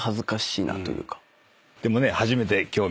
でもね。